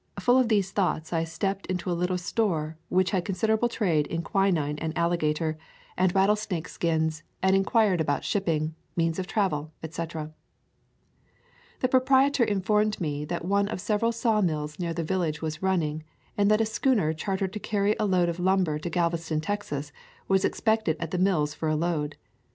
Full of these thoughts, I stepped into a little store which had a con siderable trade in quinine and alligator and [ 124 ] Cedar Keys rattlesnake skins, and inquired about shipping, means of travel, etc. The proprietor informed me that one of sev eral sawmills near the village was running, and that a schooner chartered to carry a load of lumber to Galveston, Texas, was expected at the mills for a load.